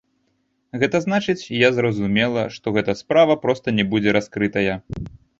Гэта значыць, я зразумела, што гэта справа проста не будзе раскрытая.